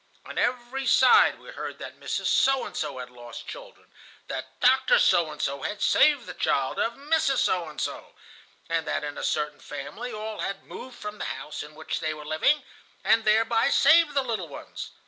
On every side we heard that Mrs. So and so had lost children, that Dr. So and so had saved the child of Mrs. So and so, and that in a certain family all had moved from the house in which they were living, and thereby saved the little ones.